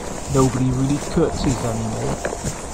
Nobody really curtsies anymore.